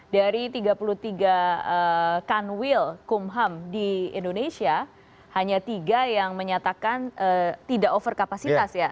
dari tiga puluh tiga kanwil kumham di indonesia hanya tiga yang menyatakan tidak over kapasitas ya